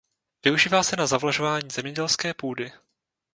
Využívá se na zavlažování zemědělské půdy.